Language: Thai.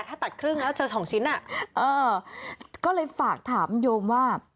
ถ้าตัดครึ่งไงจะสองชิ้นเอ่อก็เลยฝากถามโยมว่า